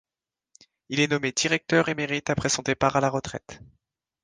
Il est nommé directeur émérite après son départ à la retraite.